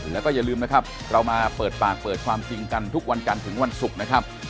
แล้วก็อย่าลืมนะครับเรามาเปิดปากเปิดความจริงกันทุกวันกันถึงวันศุกร์นะครับ